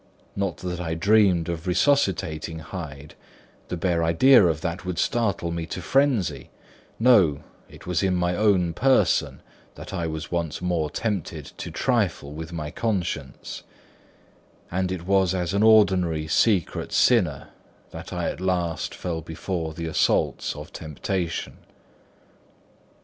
Not that I dreamed of resuscitating Hyde; the bare idea of that would startle me to frenzy: no, it was in my own person that I was once more tempted to trifle with my conscience; and it was as an ordinary secret sinner that I at last fell before the assaults of temptation.